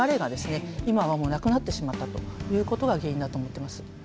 今はもうなくなってしまったということが原因だと思ってます。